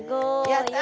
やった！